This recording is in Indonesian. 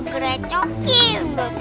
kita tuh mau bantu